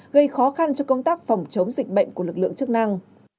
gây khó khăn cho công tác phòng chống dịch bệnh của lực lượng chức năng